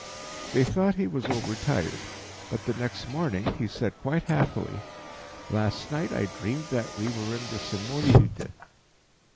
They thought he was overtired, but the next morning, he said quite happily, "Last night I dreamed that we were in the Simonyhütte."